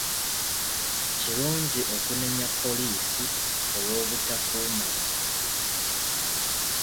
Kirungi okunenya poliisi olw'obutakuuma bantu.